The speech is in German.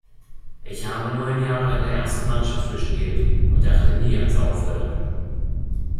Ich habe neun Jahre in der ersten Mannschaft gespielt und dachte nie ans Aufhören.